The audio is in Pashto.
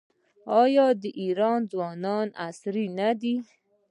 آیا د ایران ځوانان عصري نه دي؟